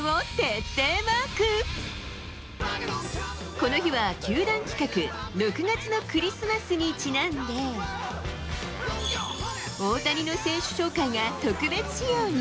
この日は、球団企画６月のクリスマスにちなんで、大谷の選手紹介が特別仕様に。